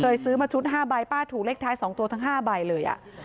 เคยซื้อมาชุดห้าใบป้าถูกเลขท้ายสองตัวทั้งห้าใบเลยอ่ะ